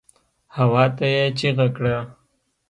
هواته يې چيغه کړه.